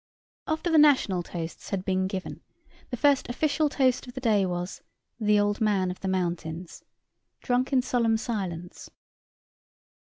After the national toasts had been given, the first official toast of the day was, The Old Man of the Mountains drunk in solemn silence.